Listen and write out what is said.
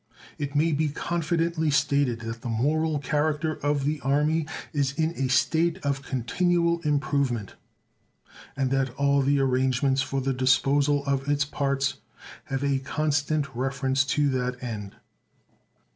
It may be confidently stated that the moral character of the Army is in a state of continual improvement, and that all the arrangements for the disposal of its parts have a constant reference to that end.